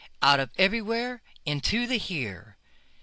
Out of the everywhere into the here.